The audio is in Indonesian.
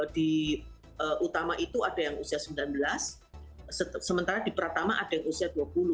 di utama itu ada yang usia sembilan belas sementara di pratama ada yang usia dua puluh